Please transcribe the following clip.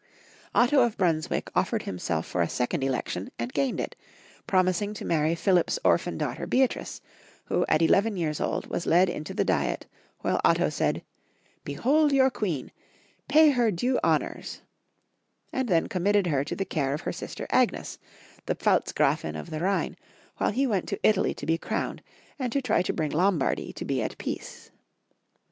Otto of Brunswick offered himself for a second election, and gained it, promising to marry Philip's orphan daughter Beatrice, who at eleven years old was led into the diet, while Otto said — "Behold your queen I Pay her due honors I " and then committed her to the care of her sister Agnes, the Pfalzgrafin of the Rhine, while he went to Italy to be crowned, and to try to bring Lombardy to be at peace.